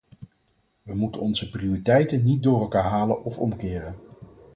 We moeten onze prioriteiten niet door elkaar halen of omkeren.